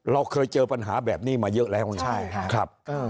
เราเคยเจอปัญหาแบบนี้มาเยอะแล้วไง